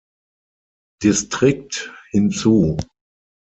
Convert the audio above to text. Distrikt hinzu.